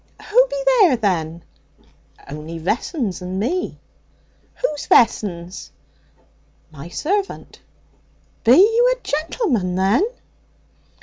'Who be there, then?' 'Only Vessons and me.' 'Who's Vessons?' 'My servant.' 'Be you a gentleman, then?'